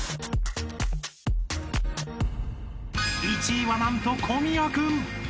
［１位はなんと小宮君］